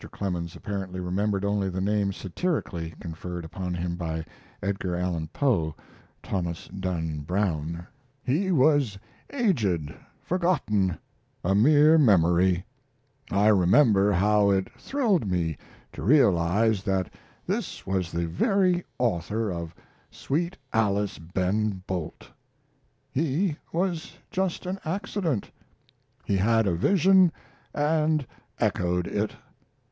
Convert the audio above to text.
Clemens apparently remembered only the name satirically conferred upon him by Edgar Allan Poe, "Thomas Dunn Brown."] He was aged, forgotten, a mere memory. I remember how it thrilled me to realize that this was the very author of 'Sweet Alice, Ben Bolt.' He was just an accident. He had a vision and echoed it.